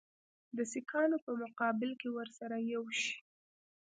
د سیکهانو په مقابل کې ورسره یو شي.